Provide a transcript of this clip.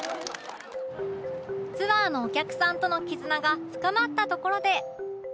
ツアーのお客さんとの絆が深まったところで